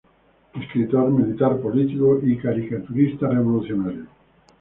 Escritor, militar, político y caricaturista revolucionario.